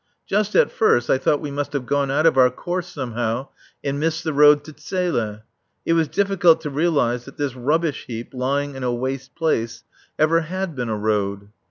Just at first I thought we must have gone out of our course somehow and missed the road to Zele. It was difficult to realize that this rubbish heap lying in a waste place ever had been a road.